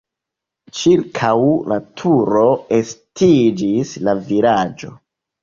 Ĉirkaŭ la turo estiĝis la vilaĝo.